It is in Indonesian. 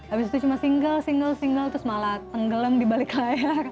abis itu cuma single single single terus malah tenggelam di balik leher